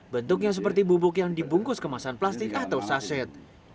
bentuknya seperti bubuk yang dibungkus kemasan plastik atau saset